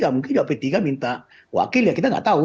gak mungkin juga p tiga minta wakil ya kita nggak tahu